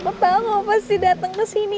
aku tau mau pasti dateng kesini